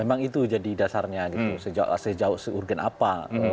emang itu jadi dasarnya gitu sejauh seurgen apa